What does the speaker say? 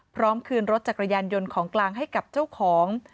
พร้อมคืนรถจักรยานยนต์ของกลางให้กับเจ้าของ